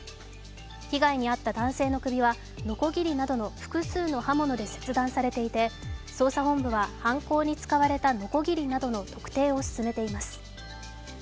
被害に遭った男性の首は、のこぎりなどの複数の刃物で切断されていて、捜査本部は犯行に使われたのこぎりなどの特定を進めています。